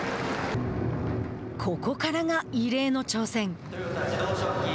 ここからが異例の挑戦。